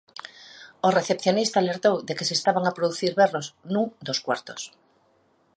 O recepcionista alertou de que se estaban a producir berros nun dos cuartos.